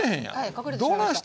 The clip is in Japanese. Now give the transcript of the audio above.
隠れてしまいました。